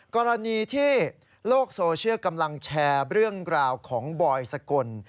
กรณีที่โลกโซเชียลกำลังแชร์เรื่องราวของบอยสกล